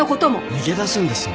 逃げ出すんですね。